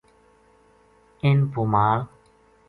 اِن پو مال